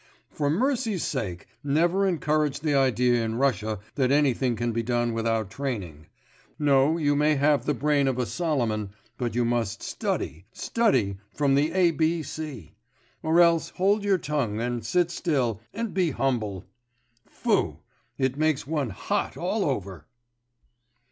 For mercy's sake, never encourage the idea in Russia that anything can be done without training. No; you may have the brain of a Solomon, but you must study, study from the A B C. Or else hold your tongue, and sit still, and be humble! Phoo! it makes one hot all over!